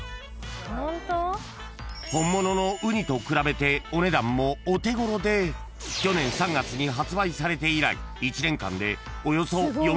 ［本物のウニと比べてお値段もお手ごろで去年３月に発売されて以来１年間で］